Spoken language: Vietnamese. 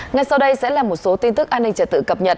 ngay sau đây sẽ là một số tin tức an ninh trật tự cập nhật